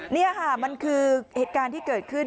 นี่ค่ะมันคือเหตุการณ์ที่เกิดขึ้น